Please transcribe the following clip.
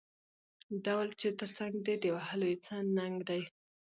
ـ ډول چې دې تر څنګ دى د وهلو يې څه ننګ دى.